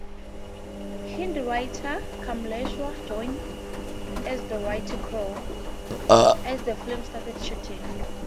Hindi writer Kamleshwar joined as the writing crew, as the film started shooting.